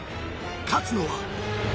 勝つのは？